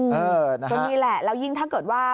ก็นี่แหละแล้วยิ่งถ้าเกิดว่า